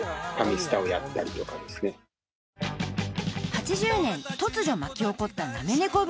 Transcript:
［８０年突如巻き起こったなめ猫ブーム］